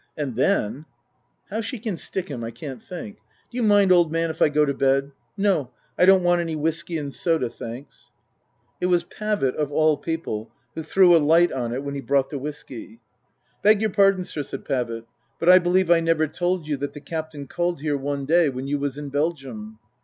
And then " How she can stick him I can't think. D'you mind, old man, if I go to bed ? No, I don't want any whisky and soda, thanks." It was Pavitt, of all people, who threw a light on it when he brought the whisky. " Beg your pardon, sir," said Pavitt, " but I believe I never told you that the Captain called here one day when you was in Belgium."